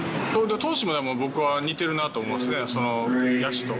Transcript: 投手も僕は似てるなと思うんですね、その野手と。